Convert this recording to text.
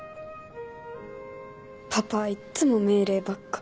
パパはいっつも命令ばっか。